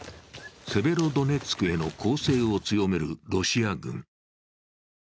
セベロドネツクへの攻勢を強めるロシア軍。